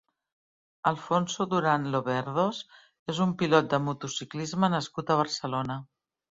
Alfonso Durán Loverdos és un pilot de motociclisme nascut a Barcelona.